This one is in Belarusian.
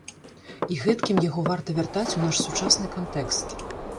І гэткім яго варта вяртаць у наш сучасны кантэкст.